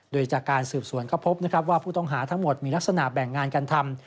โดยจากการสืบสวนก็พบนะครับว่าผู้ต้องหาทั้งหมดมีลักษณะแบ่งงานกันทำ